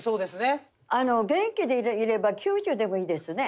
元気でいれば９０でもいいですね。